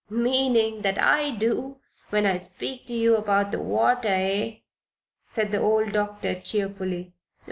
"Meaning that I do when I speak to you about the water; eh?" said the old doctor, cheerfully.